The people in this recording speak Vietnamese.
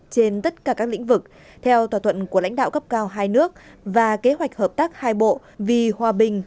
trên tất cả các lĩnh vực theo thỏa thuận của lãnh đạo cấp cao hai nước và kế hoạch hợp tác hai bộ vì hòa bình